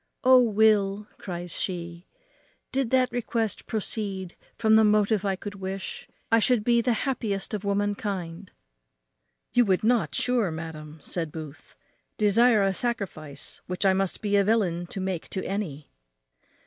"O Will," cries she, "did that request proceed from the motive I could wish, I should be the happiest of womankind." "You would not, sure, madam," said Booth, "desire a sacrifice which I must be a villain to make to any?"